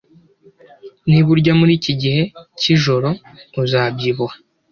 Niba urya muri iki gihe cyijoro, uzabyibuha